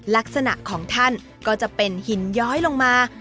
ลักษณะของท่านก็จะเป็นหินย้อยลงมา